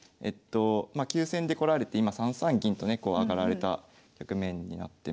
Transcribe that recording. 急戦で来られて今３三銀とね上がられた局面になってまして。